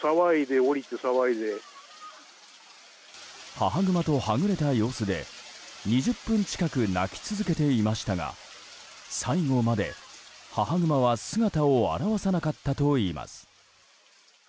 母グマとはぐれた様子で２０分近く鳴き続けていましたが最後まで母グマは姿を現さなかったといいます。